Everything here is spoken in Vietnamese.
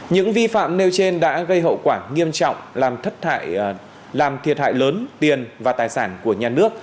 những vi phạm nêu trên đã gây hậu quả nghiêm trọng làm thất làm thiệt hại lớn tiền và tài sản của nhà nước